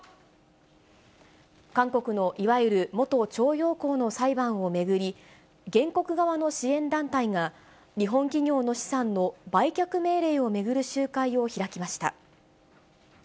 韓国のいわゆる元徴用工の裁判を巡り、原告側の支援団体が、日本企業の資産の売却命令を巡る集会を開きました。